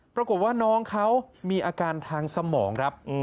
ปรากฏว่าน้องเขามีอาการทางสมองครับ